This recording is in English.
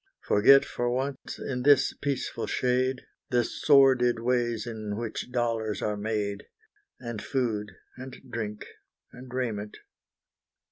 Forget for once, in this peaceful shade, The sordid ways in which dollars are made, And food and drink and raiment.